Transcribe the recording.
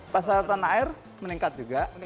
pasar tanah air meningkat juga